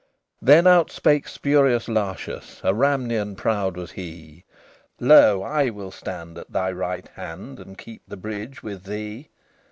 XXX Then out spake Spurius Lartius; A Ramnian proud was he: "Lo, I will stand at thy right hand, And keep the bridge with thee."